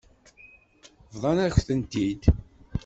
Bḍant-ak-tent-id.